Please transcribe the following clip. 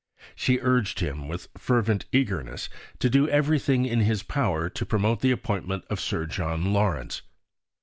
She urged him with fervent eagerness to do everything in his power to promote the appointment of Sir John Lawrence.